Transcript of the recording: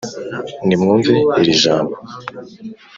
Nimwumve iri jambo,